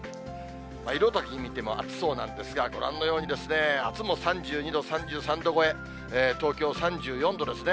色だけ見ても暑そうなんですが、ご覧のように、あすも３２度、３３度超え、東京３４度ですね。